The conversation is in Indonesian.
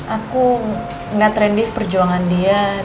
aku melihat perjuangan rani